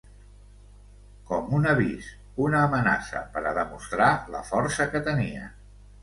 Com un avís, una amenaça per a demostrar la força que tenien.